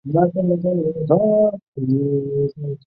萝岗车辆段是广州地铁六号线的车辆段。